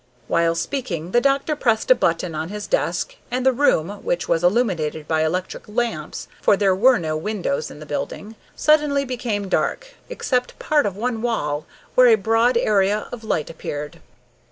While speaking the doctor pressed a button on his desk, and the room, which was illuminated by electric lamps for there were no windows in the building suddenly became dark, except part of one wall, where a broad area of light appeared.